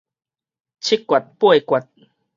七訣八訣